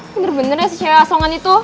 bener bener ya si cewek asongan itu